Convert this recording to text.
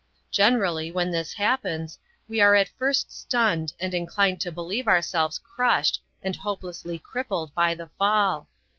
Generally when this happens we are at first stunned and inclined to believe ourselves crushed and hopelessly crippled by the fall.